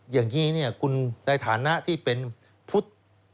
อย่างนี้คุณในฐานะที่เป็นพุทธ